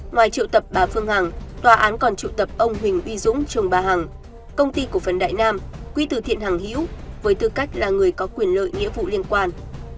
ngoài triệu tập bà phương hằng tòa án còn trụ tập ông huỳnh uy dũng chồng bà hằng công ty cổ phần đại nam quý từ thiện hằng hiễu với tư cách là người có quyền lợi nghĩa vụ liên quan